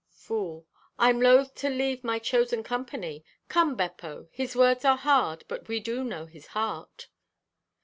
(Fool) "I'm loth to leave my chosen company. Come, Beppo, his words are hard, but we do know his heart.